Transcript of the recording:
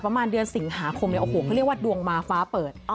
ประมาณเดือนสิงหาคมเลยโอ้โหเขาเรียกว่าดวงมาฟ้าเปิด